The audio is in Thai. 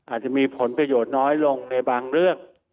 อาจจะมีผลประโยชน์น้อยลงในบางเรื่อง